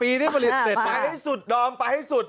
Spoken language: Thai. ปีที่ผลิตเสร็จ